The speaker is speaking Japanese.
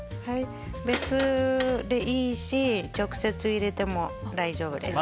別でもいいし直接入れても大丈夫です。